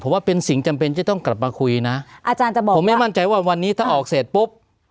ผมว่าเป็นสิ่งจำเป็นจะต้องกลับมาคุยนะอาจารย์จะบอกผมไม่มั่นใจว่าวันนี้ถ้าออกเสร็จปุ๊บ